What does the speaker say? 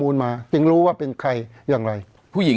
เพราะฉะนั้นประชาธิปไตยเนี่ยคือการยอมรับความเห็นที่แตกต่าง